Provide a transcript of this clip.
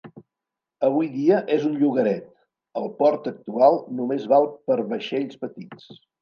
Avui dia és un llogaret; el port actual només val per vaixells petits.